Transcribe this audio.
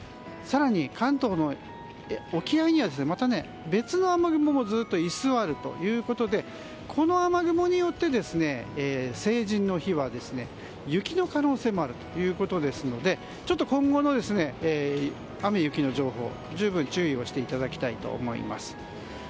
更に、関東の沖合にはまた別の雨雲もずっと居座るということでこの雨雲によって成人の日は雪の可能性もあるということですのでちょっと今後の雨、雪の情報に十分、注意をしていただきたいと思います。